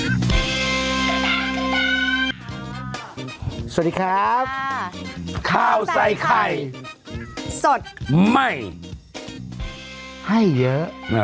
สวัสดีครับข้าวใส่ไข่สดไหมให้เยอะนั่นแหละอ่า